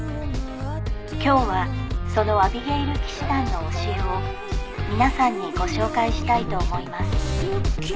「今日はそのアビゲイル騎士団の教えを皆さんにご紹介したいと思います」